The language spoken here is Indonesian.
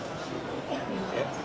ya inilah sebetulnya